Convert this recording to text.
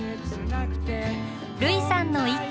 類さんの一句。